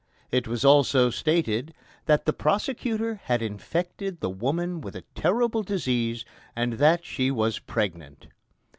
It was also stated that "the prosecutor had infected the woman with a terrible disease and that she was pregnant."